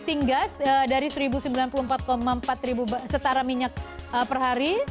tinggal dari rp satu sembilan puluh empat empat setara minyak per hari